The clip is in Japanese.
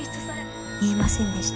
見えませんでした